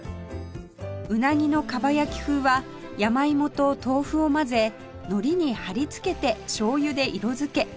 うなぎのかば焼き風はヤマイモと豆腐を混ぜのりに貼り付けてしょうゆで色付け